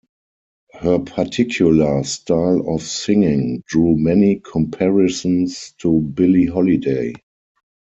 Her particular style of singing drew many comparisons to Billie Holiday.